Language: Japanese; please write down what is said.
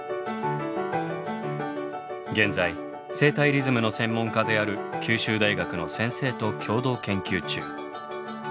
現在生体リズムの専門家である九州大学の先生と共同研究中。